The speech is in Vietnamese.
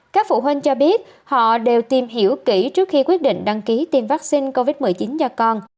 các phụ huynh cho biết họ đều tìm hiểu kỹ trước khi quyết định đăng ký tiêm vaccine covid một mươi chín cho con